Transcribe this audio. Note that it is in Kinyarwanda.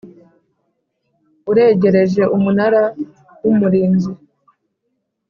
uregereje Umunara w Umurinzi